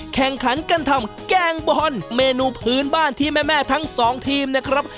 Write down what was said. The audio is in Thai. แข่งขันกันทำแกงบอลเมนูพื้นบ้านที่แม่ทั้งสองทีมนะครับ